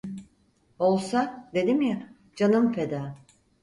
Olsa, dedim ya, canım feda…